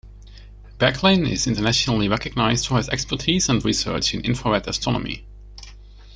Becklin is internationally recognized for his expertise and research in infrared astronomy.